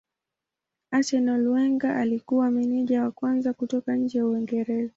Arsenal Wenger alikuwa meneja wa kwanza kutoka nje ya Uingereza.